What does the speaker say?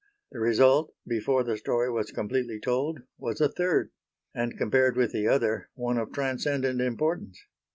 The result, before the story was completely told, was a third; and, compared with the other, one of transcendent importance.